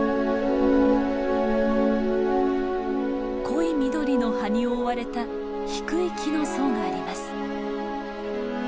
濃い緑の葉に覆われた低い木の層があります。